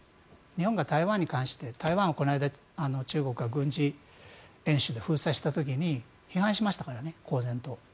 日本が台湾に関して台湾、この間中国が軍事演習で封鎖した時に批判しましたからね、公然と。